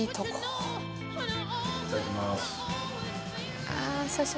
いただきます。